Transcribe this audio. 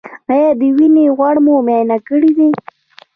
ایا د وینې غوړ مو معاینه کړي دي؟